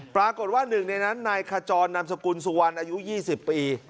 ปรากฏว่าหนึ่งในนั้นนายขจรนามสกุลสุวรรณอายุ๒๐ปี